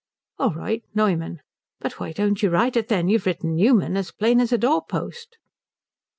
"All right Noyman. But why don't you write it then? You've written Newman as plain as a doorpost."